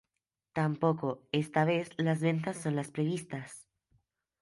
Tampoco esta vez las ventas son las previstas.